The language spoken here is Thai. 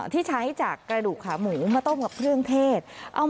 ที่ใช้จากกระดูกขาหมูมาต้มกับเครื่องเทศ